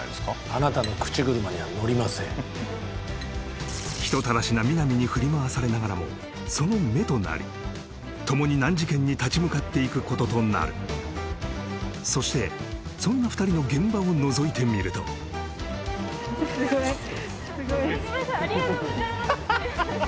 あなたの口車には乗りません人たらしな皆実に振り回されながらもその目となりともに難事件に立ち向かっていくこととなるそしてそんな２人の現場をのぞいてみると・すいませんありがとうございます